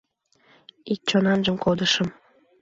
Ик чонанжым кодышым